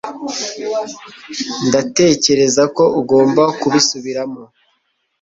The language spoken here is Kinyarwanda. ndatekereza ko ugomba kubisubiramo